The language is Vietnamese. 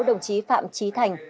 đồng chí phạm trí thành